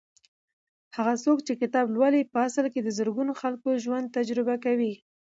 هغه څوک چې کتاب لولي په اصل کې د زرګونو خلکو ژوند تجربه کوي.